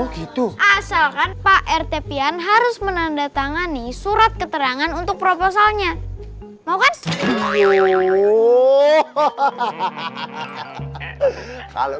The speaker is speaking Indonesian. gitu asalkan pak rt pian harus menandatangani surat keterangan untuk proposalnya mau kasih kalau